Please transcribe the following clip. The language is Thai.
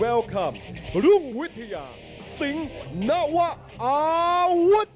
หลุงวิทยาศิลป์นักวะอาวุธ